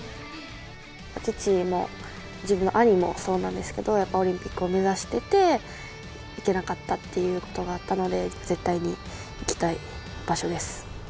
父も、自分の兄もそうなんですけど、やっぱりオリンピックを目指してて、行けなかったっていうことがあったので、絶対に行きたい場所